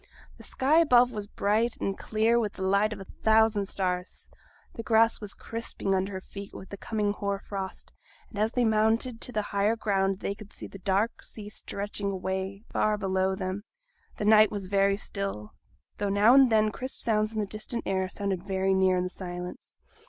The sky above was bright and clear with the light of a thousand stars, the grass was crisping under their feet with the coming hoar frost; and as they mounted to the higher ground they could see the dark sea stretching away far below them. The night was very still, though now and then crisp sounds in the distant air sounded very near in the silence.